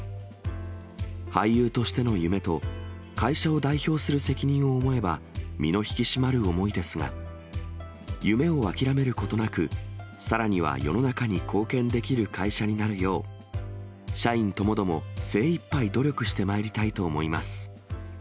俳優としての夢と、会社を代表する責任を思えば、身の引き締まる思いですが、夢を諦めることなく、さらには世の中に貢献できる会社になるよう、社員ともども、精いっぱい努力してまいりたいと思います。